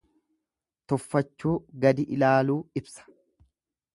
Tuffachuu, gadi ilaaluu ibsa.